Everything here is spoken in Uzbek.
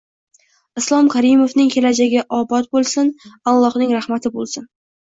Islom Karimovning kelajagi obod bo'lsin, Allohning rahmati bo'lsin